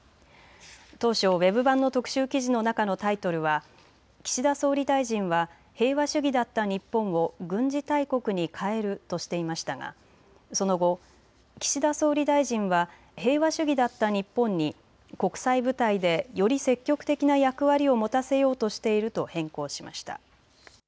当初、ウェブ版の特集記事の中のタイトルは岸田総理大臣は平和主義だった日本を軍事大国に変えるとしていましたがその後、岸田総理大臣は平和主義だった日本に国際舞台でより積極的な役割を持たせようとしていると変更しました。